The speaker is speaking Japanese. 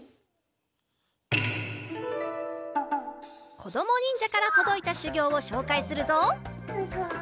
こどもにんじゃからとどいたしゅぎょうをしょうかいするぞ！